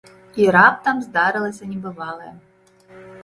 І раптам здарылася небывалае.